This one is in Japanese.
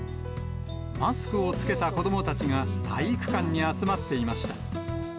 マスクを着けた子どもたちが体育館に集まっていました。